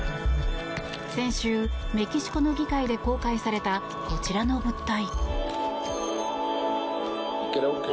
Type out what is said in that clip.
先週、メキシコの議会で公開されたこちらの物体。